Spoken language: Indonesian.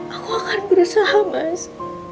aku akan berusaha mas